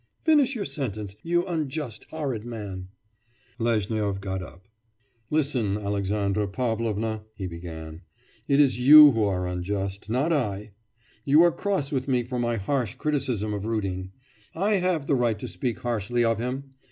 Finish your sentence, you unjust, horrid man!' Lezhnyov got up. 'Listen, Alexandra Pavlovna,' he began, 'it is you who are unjust, not I. You are cross with me for my harsh criticism of Rudin; I have the right to speak harshly of him!